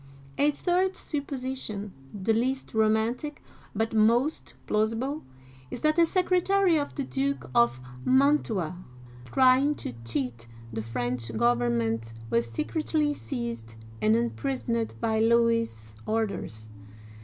A third supposition — the least romantic, but most plausible — is that a secretary of the Duke of Man'tua, try ing to cheat the French government, was secretly seized and imprisoned by, Louis's orders.